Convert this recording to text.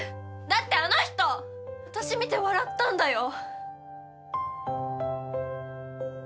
だってあの人私見て笑ったんだよ？